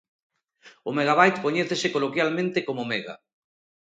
O megabyte coñécese coloquialmente como "mega"